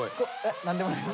何でもないです。